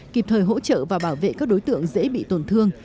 kịp thời hỗ trợ và bảo vệ các đối tượng dễ bị tổn thương